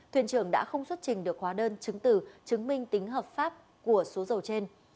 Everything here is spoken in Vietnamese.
thuyền trưởng đã không xuất trình được hóa đơn chứng từ chứng minh tính hợp pháp của số dầu trên